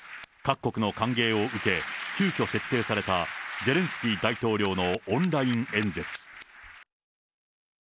各国の歓迎を受け、急きょ設定されたゼレンスキー大統領のオンライン演説。